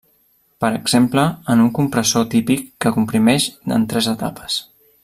Per exemple, en un compressor típic que comprimeix en tres etapes.